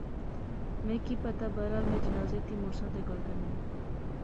میں کہہ پتہ، بہرحال میں جنازے تھی مڑساں تہ گل کرنیاں